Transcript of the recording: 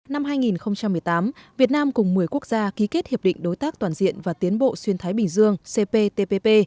năm hai nghìn một mươi tám việt nam cùng một mươi quốc gia ký kết hiệp định đối tác toàn diện và tiến bộ xuyên thái bình dương cptpp